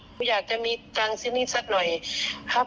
หนูอยากจะมีจังซินี่ซัดหน่อยครับ